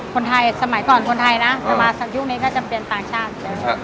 คนไทยสมัยก่อนคนไทยนะประมาณสักยุคนี้ก็จะเป็นต่างชาติ